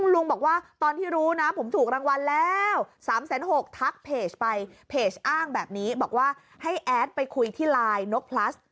แล้วสามแสนหกทักเพจไปเพจอ้างแบบนี้บอกว่าให้แอดไปคุยที่ลายนกพลัส